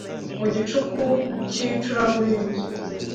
mu gicuku cy’icuraburindi